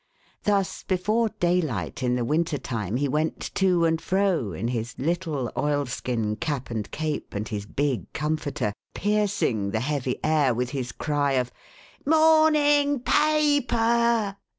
Thus, before daylight in the winter time, he went to and fro, in his little oilskin cap and cape, and his big comforter, piercing the heavy air with his cry of " Morn ing Pa per